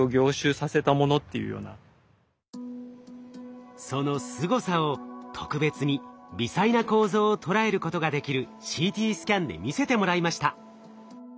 僕はこのそのすごさを特別に微細な構造を捉えることができるＣＴスキャンで見せてもらいました。